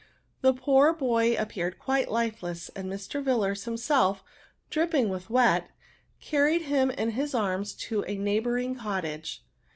The poor boy appeared quite lifeless, and Mr. Yillars himself, dripping with wet, carried him in his arms to a neighbouring cottage.